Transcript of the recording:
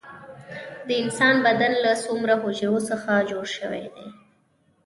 د انسان بدن له څومره حجرو څخه جوړ شوی دی